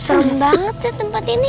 serem banget ya tempat ini